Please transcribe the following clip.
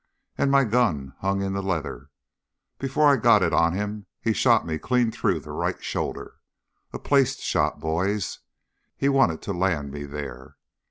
And my gun hung in the leather. Before I got it on him he'd shot me clean through the right shoulder a placed shot, boys. He wanted to land me there.